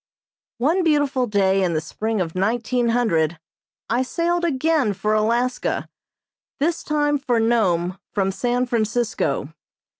One beautiful day in the spring of 1900 I sailed again for Alaska this time for Nome from San Francisco.